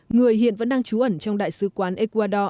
người hiện vẫn đang trú ẩn trong đại sứ quán ecuador